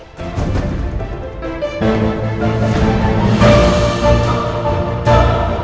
kamu memang tipu